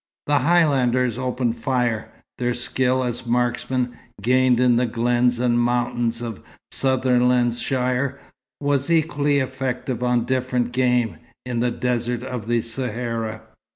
The Highlanders open fire. Their skill as marksmen, gained in the glens and mountains of Sutherlandshire, was equally effective on different game, in the desert of the Sahara.